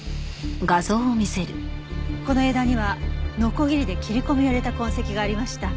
この枝にはノコギリで切り込みを入れた痕跡がありました。